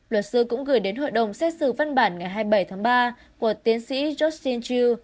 luật sư cũng gửi đến hội đồng xét xử văn bản ngày hai mươi bảy tháng ba của tiến sĩ johnchu